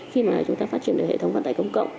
khi mà chúng ta phát triển được hệ thống vận tải công cộng